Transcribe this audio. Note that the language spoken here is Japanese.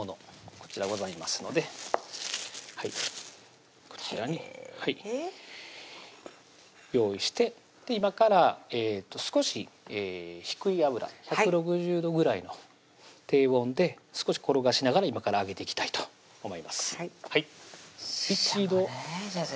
こちらございますのでこちらに用意して今から少し低い油１６０度ぐらいの低温で少し転がしながら今から揚げていきたいと思いますししゃもね先生